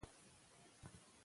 که باور وي نو خیانت نه وي.